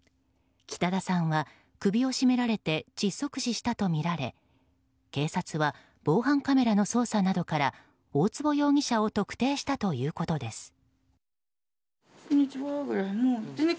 北田さんは、首を絞められて窒息死したとみられ警察は防犯カメラの捜査などから大坪容疑者を特定したということです。